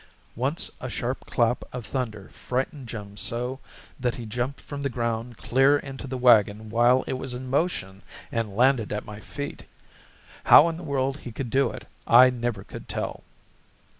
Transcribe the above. Once a sharp clap of thunder frightened Jim so that he jumped from the ground clear into the wagon while it was in motion and landed at my feet. How in the world he could do it I never could tell.